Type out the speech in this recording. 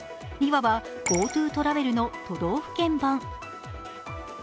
いわばＧｏＴｏトラベルの都道府県版。